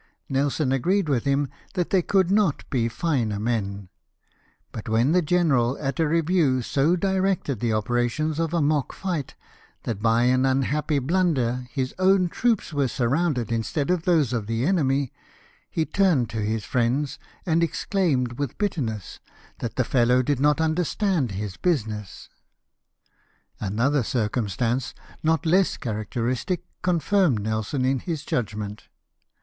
Nelson agreed with him that there could not be finer men ; but when the general at a review so directed the operations of a mock fight that by an unhappy blunder his OAvn troops were surrounded mstead of those of the enemy, he turned to his friends and exclaimed Avith bitterness that the fellow did not understand his business. Another circumstance, not less characteristic, con firmed Nelson in this judgment.